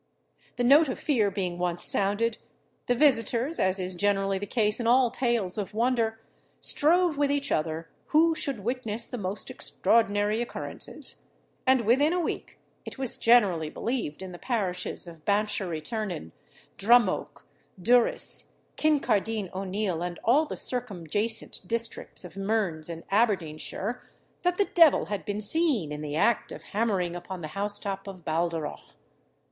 The note of fear being once sounded, the visitors, as is generally the case in all tales of wonder, strove with each other who should witness the most extraordinary occurrences; and within a week, it was generally believed in the parishes of Banchory Ternan, Drumoak, Durris, Kincardine O'Neil, and all the circumjacent districts of Mearns and Aberdeenshire, that the devil had been seen in the act of hammering upon the house top of Baldarroch.